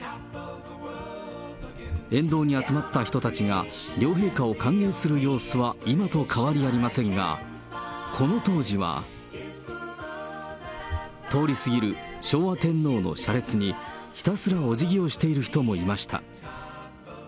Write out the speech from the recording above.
沿道に集まった人たちが、両陛下を歓迎する様子は今と変わりありませんが、この当時は、通り過ぎる昭和天皇の車列にひたすらおじぎをしている人もいました。